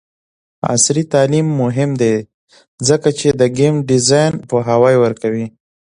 عصري تعلیم مهم دی ځکه چې د ګیم ډیزاین پوهاوی ورکوي.